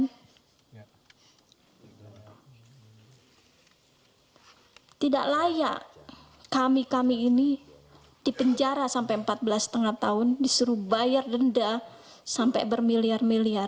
dan tidak layak kami kami ini dipenjara sampai empat belas lima tahun disuruh bayar denda sampai bermiliar miliar